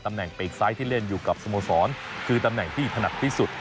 แหน่งปีกซ้ายที่เล่นอยู่กับสโมสรคือตำแหน่งที่ถนัดที่สุด